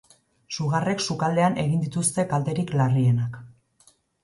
Sugarrek sukaldean egin dituzte kalterik larrienak.